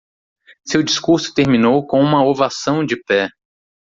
Seu discurso terminou com uma ovação de pé.